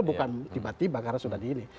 bukan tiba tiba karena sudah di ini